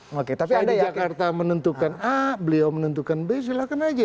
saya di jakarta menentukan a beliau menentukan b silakan saja